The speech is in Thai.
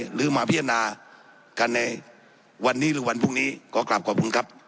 หรือมาพิจารณากันในวันนี้หรือวันพรุ่งนี้ขอกลับขอบคุณครับ